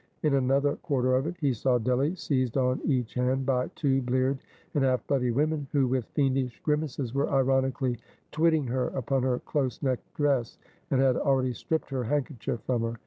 In another quarter of it, he saw Delly seized on each hand by two bleared and half bloody women, who with fiendish grimaces were ironically twitting her upon her close necked dress, and had already stript her handkerchief from her.